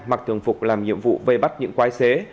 mặc thường phục làm nhiệm vụ vây bắt những quái xế